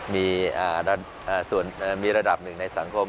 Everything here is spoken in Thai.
มีระดับหนึ่งในสังคม